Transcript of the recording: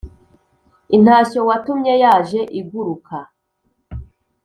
Intashyo watumye yaje iguruka